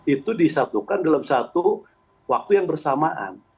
itu disatukan dalam satu waktu yang bersamaan